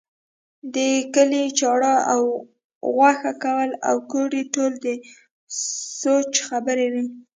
د کلي چاړه او غوښه کول او کوډې ټول د سوچ خبرې وې.